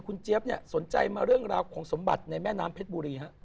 คุณเจี๊ยบเนี่ยสนใจมาเรื่องราวของสมบัติในแม่น้ำเพชรบุรีฮะ